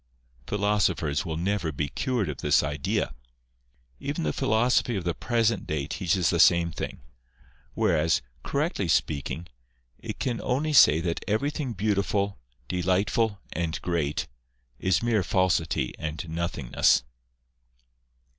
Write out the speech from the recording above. Philosophers will never be cured of this idea. Even the philosox^hy of MARCUS BRUTUS AND THEOPHRASTUS. 203 the present day teaches the same thing ; whereas, correctly speaking, it can only say that everything beautiful, delightful, and great, is mere falsity and nothingness.